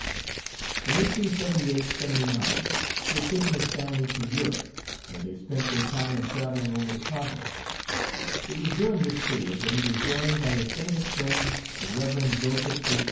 In 1878 79 he had taken his family to Europe, where they spent their time in traveling over the Continent. It was during this period that he was joined by his intimate friend, the Rev. Joseph H.